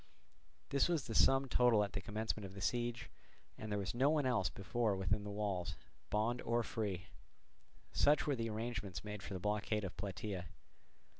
This was the sum total at the commencement of the siege, and there was no one else within the walls, bond or free. Such were the arrangements made for the blockade of Plataea.